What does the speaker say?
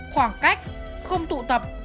khoảng cách không tụ tập